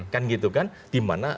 kan gitu kan dimana